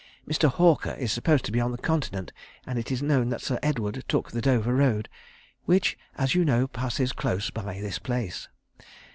Mr. Hawker is supposed to be on the Continent, and it is known that Sir Edward took the Dover Road, which, as you know, passes close by this place.